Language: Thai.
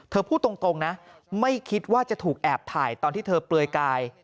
พูดตรงนะไม่คิดว่าจะถูกแอบถ่ายตอนที่เธอเปลือยกาย